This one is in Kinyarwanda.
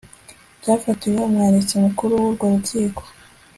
cyafatiwe umwanditsi mukuru w urwo rukiko